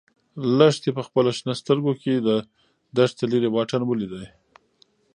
لښتې په خپلو شنه سترګو کې د دښتې لیرې واټن ولید.